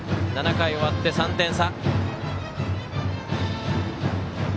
７回終わって３点差。